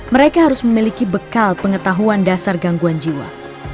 mereka harus memiliki bekal pengetahuan dasar gangguan jiwa